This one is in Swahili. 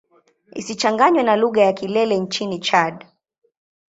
Isichanganywe na lugha ya Kilele nchini Chad.